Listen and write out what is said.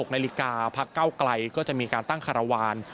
๖นาฬิกาพักเก้าไกลก็จะมีการตั้งคารวาล